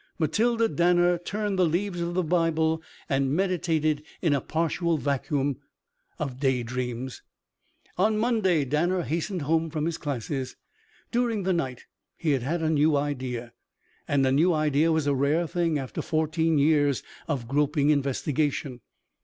Matilda Danner turned the leaves of the Bible and meditated in a partial vacuum of day dreams. On Monday Danner hastened home from his classes. During the night he had had a new idea. And a new idea was a rare thing after fourteen years of groping investigation.